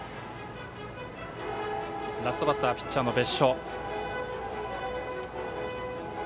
ラストバッターピッチャーの別所。